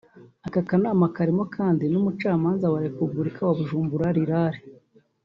Aka kanama karimo kandi n’umucamanza wa Repubulika wa Bujumbura Rural